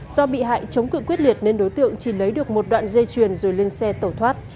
do bị hại chống cự quyết liệt nên đối tượng chỉ lấy được một đoạn dây chuyền rồi lên xe tẩu thoát